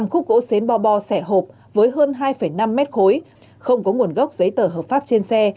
hai mươi năm khúc gỗ xến bo bo xẻ hộp với hơn hai năm mét khối không có nguồn gốc giấy tờ hợp pháp trên xe